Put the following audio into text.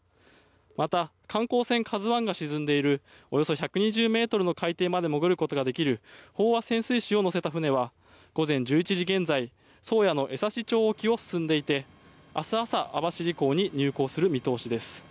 また、観光船「ＫＡＺＵ１」が沈んでいるおよそ１２０ｍの海底まで潜ることができる飽和潜水士を乗せた船は午前１１時現在宗谷の枝幸町沖を進んでいて明日朝、網走港に入港する見通しです。